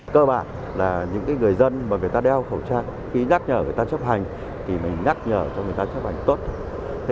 cơ bản là những người dân mà người ta đeo khẩu trang khi nhắc nhở người ta chấp hành thì mình nhắc nhở cho người ta chấp hành tốt thôi